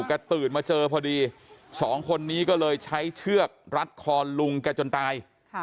ตื่นมาเจอพอดีสองคนนี้ก็เลยใช้เชือกรัดคอลุงแกจนตาย